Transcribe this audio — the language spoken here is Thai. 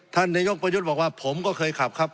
นายกประยุทธ์บอกว่าผมก็เคยขับครับ